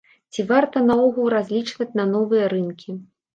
Ці варта наогул разлічваць на новыя рынкі?